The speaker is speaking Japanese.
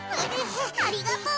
ありがとう。